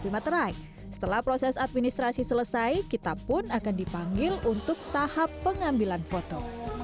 materai setelah proses administrasi selesai kita pun akan dipanggil untuk tahap pengambilan foto